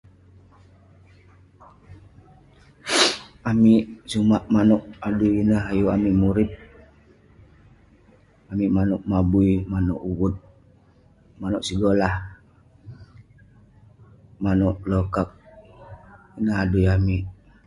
Amik sumak manouk adui ineh ayuk amik murip, amik manouk mabui, uvut..manouk segolah..manouk lokark, ineh adui amik